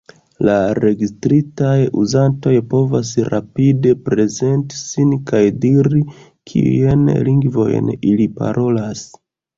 La registritaj uzantoj povas rapide prezenti sin kaj diri kiujn lingvojn ili parolas.